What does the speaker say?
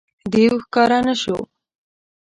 دېو ښکاره نه شو.